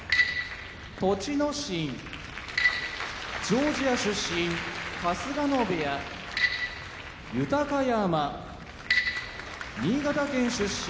栃ノ心ジョージア出身春日野部屋豊山新潟県出身